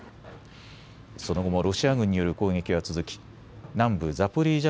その後もロシア軍による攻撃は続き南部ザポリージャ